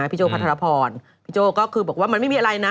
พี่โจ้พัทรพรพี่โจ้ก็คือบอกว่ามันไม่มีอะไรนะ